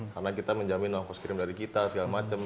karena kita menjamin langkah sekirim dari kita segala macem